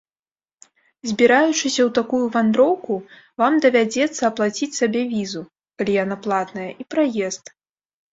Збіраючыся ў такую вандроўку, вам давядзецца аплаціць сабе візу, калі яна платная, і праезд.